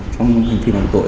trong hành vi bằng tội